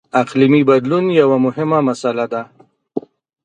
• اقلیمي بدلون یوه مهمه مسله ده.